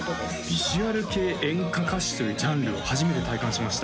ビジュアル系演歌歌手というジャンルを初めて体感しました